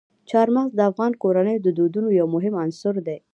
چار مغز د افغان کورنیو د دودونو یو مهم عنصر دی.